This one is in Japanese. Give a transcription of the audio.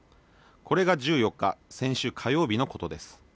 これが１４日、先週火曜日のことです。